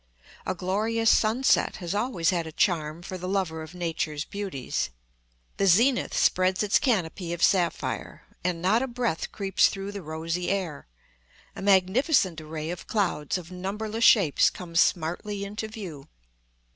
A glorious sunset has always had a charm for the lover of nature's beauties. The zenith spreads its canopy of sapphire, and not a breath creeps through the rosy air. A magnificent array of clouds of numberless shapes come smartly into view.